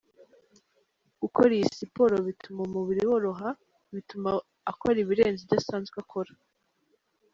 Gukora iyi siporo bituma umubiri woroha bituma akora ibirenze ibyo asanzwe akora.